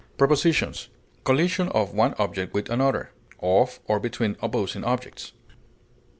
Prepositions: Collision of one object with another; of or between opposing objects.